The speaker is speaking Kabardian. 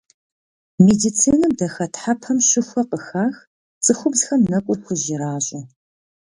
Медицинэм дахэтхьэпэм щыхуэ къыхах цӏыхубзхэм нэкӏур хужь иращӏыу.